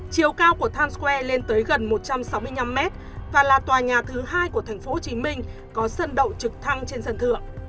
chiều cao của times square lên tới gần một trăm sáu mươi năm mét và là tòa nhà thứ hai của thành phố hồ chí minh có sân đậu trực thăng trên sân thượng